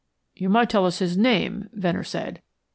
"You might tell us his name," Venner said.